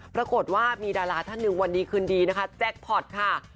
ปรากฏว่ามีดาราท่านหนึ่งวันดีคืนดีนะคะแจ็คพอร์ตค่ะ